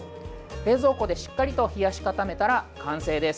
冷蔵庫でしっかりと冷やし固めたら完成です。